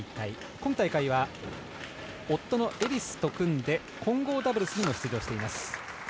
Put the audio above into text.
今大会は、夫と組んで混合ダブルスに出場しています。